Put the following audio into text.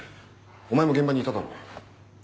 お前も現場にいただろ。